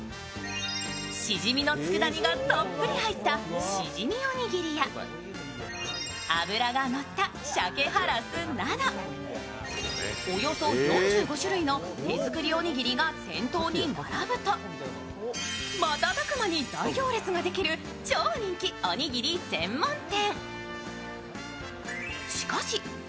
しじみのつくだ煮がたっぷり入ったしじみおにぎりや、脂が乗った鮭はらすなどおよそ４５種類の手作りおにぎりが店頭に並ぶと瞬く間に大行列ができる超人気おにぎり専門店。